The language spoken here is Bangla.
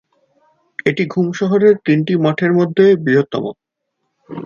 এটি ঘুম শহরের তিনটি মঠের মধ্যে বৃহত্তম।